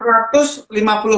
kalau gue baru mulai gimana nih